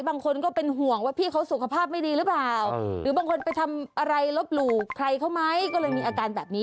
บางคนไปทำอะไรลบหลู่ใครเขาไหมก็เลยมีอาการแบบนี้